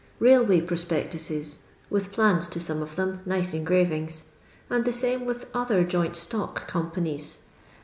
Kailway prospectuses, with plans to some of them, nice engravings; and the same with other joint stock companies.